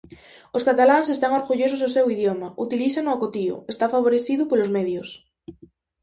Os cataláns están orgullosos do seu idioma, utilízano acotío, está favorecido polos medios...